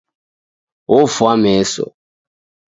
Ofwa meso